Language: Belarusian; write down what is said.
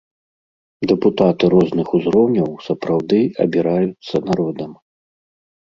Дэпутаты розных узроўняў сапраўды абіраюцца народам.